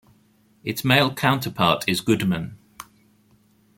Its male counterpart is Goodman.